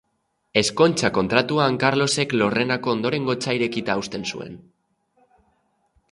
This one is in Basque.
Ezkontza kontratuan Karlosek Lorrenako ondorengotza irekita uzten zuen.